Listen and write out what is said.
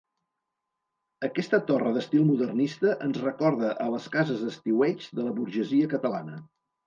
Aquesta torre d'estil modernista ens recorda a les cases d'estiueig de la burgesia catalana.